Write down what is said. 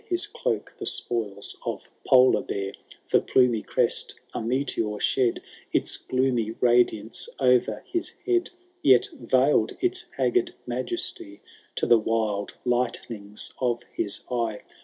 His cloak the spoils of Polar bear ; For plumy crest a meteor shed Its gloomy radiance o*er his head, Yet veiled its haggard majesty To the wild lightnings of his eye.